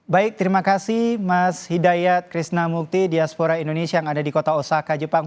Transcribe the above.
baik terima kasih mas hidayat krisna mukti diaspora indonesia yang ada di kota osaka jepang